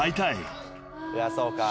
いやそうか。